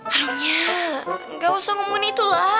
harunya gak usah ngomongin itu lah